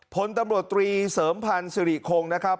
พลตำรวจตรีเสริมพันธ์สิริคงนะครับ